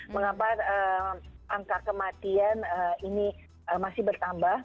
mengapa angka kematian ini masih bertambah